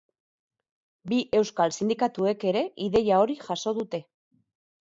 Bi euskal sindikatuek ere ideia hori jaso dute.